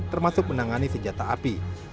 termasuk menangani senjata api